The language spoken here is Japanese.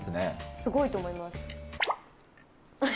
すごいと思います。